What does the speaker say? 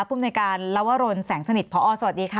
ผู้บนโดยการลาวรณแสงสนิทผอสวัสดีค่ะ